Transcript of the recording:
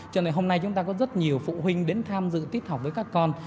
cho nên hôm nay chúng ta có rất nhiều phụ huynh đến tham dự tiết học với các con